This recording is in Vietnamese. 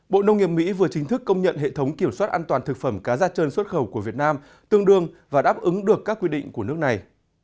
bộ nông nghiệp mỹ vừa chính thức công nhận hệ thống kiểm soát an toàn thực phẩm cá da trơn xuất khẩu của việt nam tương đương và đáp ứng được các quy định của nước này